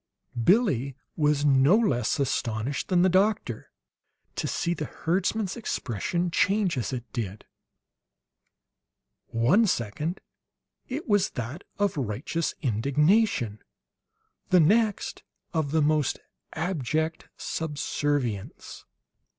Billie was no less astonished than the doctor to see the herdsman's expression change as it did; one second it was that of righteous indignation, the next, of the most abject subservience.